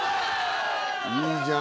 いいじゃん。